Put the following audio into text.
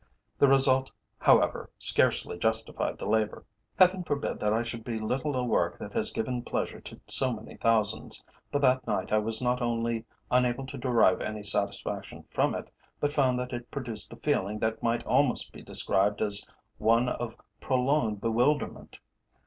The result, however, scarcely justified the labour. Heaven forbid that I should belittle a work that has given pleasure to so many thousands, but that night I was not only unable to derive any satisfaction from it, but found that it produced a feeling that might almost be described as one of prolonged bewilderment.